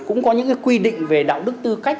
cũng có những quy định về đạo đức tư cách